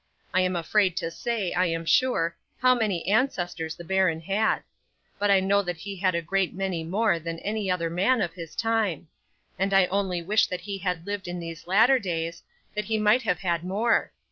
I am afraid to say, I am sure, how many ancestors the baron had; but I know that he had a great many more than any other man of his time; and I only wish that he had lived in these latter days, that he might have had more.